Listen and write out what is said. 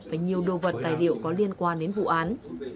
và nhiều đồ vật tài liệu có liên quan đến vụ án